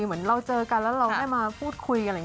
เหมือนเราเจอกันแล้วเราไม่มาคุยบ้าง